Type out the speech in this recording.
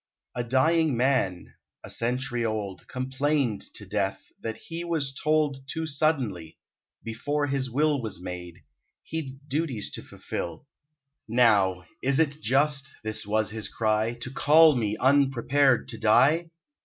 A dying man, a century old, Complained to Death, that he was told Too suddenly, before his will Was made; he'd duties to fulfil; "Now, is it just," this was his cry, "To call me, unprepared, to die?